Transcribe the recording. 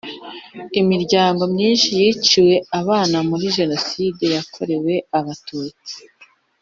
Imiryango myinshi yiciwe ababo muri Jenoside yakorewe Abatutsi